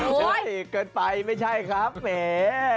โอ๊ยเกิดไปไม่ใช่ครับเห้ย